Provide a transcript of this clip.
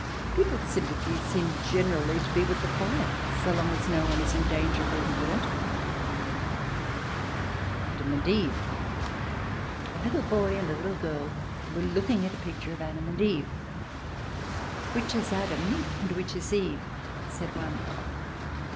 People's sympathies seem generally to be with the fire so long as no one is in danger of being burned. Adam and Eve A little boy and a little girl were looking at a picture of Adam and Eve. "Which is Adam and which is Eve?" said one.